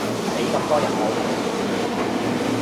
死咁多人好？